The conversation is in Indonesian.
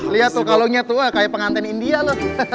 liat tuh kalungnya tua kayak pengantin india loh